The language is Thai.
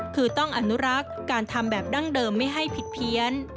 คือต้องอนุรักษ์การทำแบบดั้งเดิมไม่ให้ผิดเพี้ยน